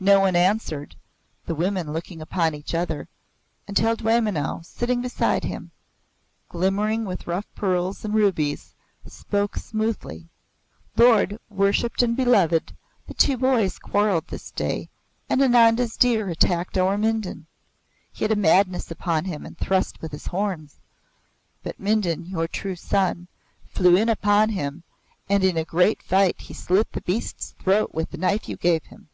No one answered, the women looking upon each other, until Dwaymenau, sitting beside him, glimmering with rough pearls and rubies, spoke smoothly: "Lord, worshipped and beloved, the two boys quarreled this day, and Ananda's deer attacked our Mindon. He had a madness upon him and thrust with his horns. But, Mindon, your true son, flew in upon him and in a great fight he slit the beast's throat with the knife you gave him.